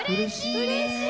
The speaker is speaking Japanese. うれしい！